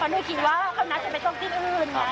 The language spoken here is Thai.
เพราะหนูคิดว่าเข้าน้ำจะไปโต๊กที่อื่นไง